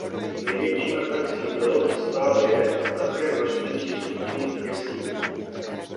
Největší atrakcí bylo a stále je velké množství přístupných jeskyní.